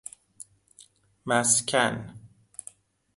مسکن